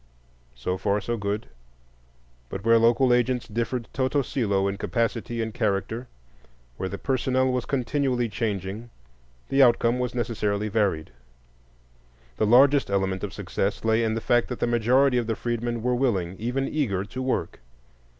So far, so good; but where local agents differed toto cælo in capacity and character, where the personnel was continually changing, the outcome was necessarily varied. The largest element of success lay in the fact that the majority of the freedmen were willing, even eager, to work.